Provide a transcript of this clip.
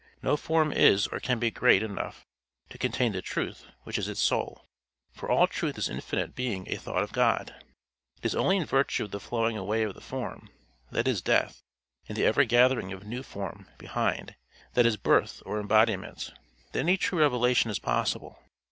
No form is or can be great enough to contain the truth which is its soul; for all truth is infinite being a thought of God. It is only in virtue of the flowing away of the form, that is death, and the ever gathering of new form behind, that is birth or embodiment, that any true revelation is possible.